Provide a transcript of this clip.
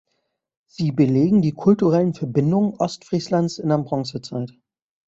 Sie belegen die kulturellen Verbindungen Ostfrieslands in der Bronzezeit.